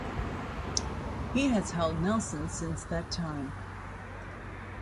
He has held Nelson since that time.